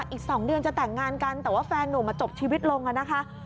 อีก๒เดือนจะแต่งงานกันแต่ว่าแฟนหนุ่มมาจบชีวิตลงนะคะ